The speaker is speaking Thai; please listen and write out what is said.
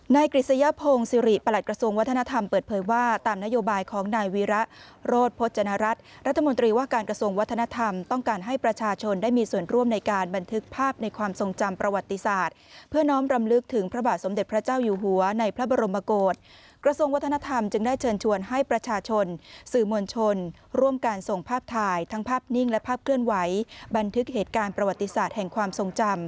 ในกฤษยภงสิริประหลักกระทรวงวัฒนธรรมเปิดเผยว่าตามนโยบายของนายวีระโรธพจนรัฐรัฐมนตรีว่าการกระทรวงวัฒนธรรมต้องการให้ประชาชนได้มีส่วนร่วมในการบันทึกภาพในความทรงจำประวัติศาสตร์เพื่อน้องรำลึกถึงพระบาทสมเด็จพระเจ้าอยู่หัวในพระบรมกฏกระทรวงวัฒนธรรมจ